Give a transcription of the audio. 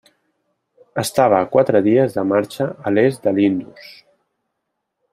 Estava a quatre dies de marxa a l'est de l'Indus.